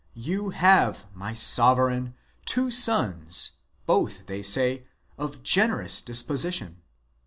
You have, my sovereign, two sons, both, they say, of generous disposition.